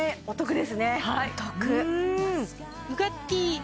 お得